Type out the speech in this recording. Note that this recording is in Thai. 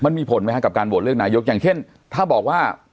นายกอย่างเช่นถ้าบอกว่า